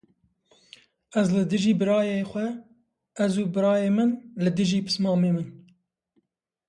Ez li dijî birayê xwe, ez û birayê min li dijî pismamê min.